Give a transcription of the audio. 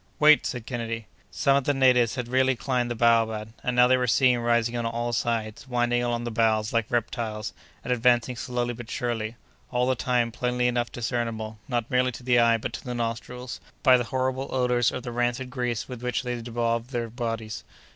"Wait!" said Kennedy. Some of the natives had really climbed the baobab, and now they were seen rising on all sides, winding along the boughs like reptiles, and advancing slowly but surely, all the time plainly enough discernible, not merely to the eye but to the nostrils, by the horrible odors of the rancid grease with which they bedaub their bodies.